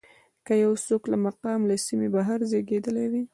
که یو څوک له مقام له سیمې بهر زېږېدلی وي.